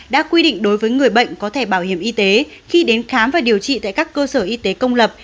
đã quy định đối với người bệnh có thẻ bảo hiểm y tế khi đến khám và điều trị tại các cơ sở y tế công lập